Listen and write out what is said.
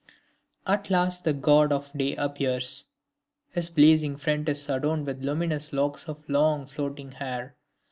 At last the god of day appears! His blazing front is adorned with luminous locks of long floating hair.